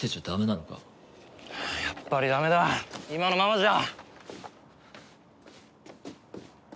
やっぱりダメだ今のままじゃ！